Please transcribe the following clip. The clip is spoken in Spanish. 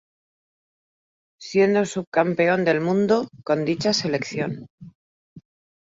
Siendo sub-campeón del mundo con dicha selección.